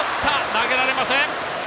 投げられません。